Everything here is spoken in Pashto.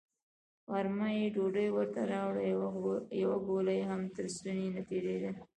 غرمه يې ډوډۍ ورته راوړه، يوه ګوله يې هم تر ستوني نه تېرېده.